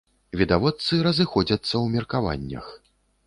Відавочцы разыходзяцца ў меркаваннях.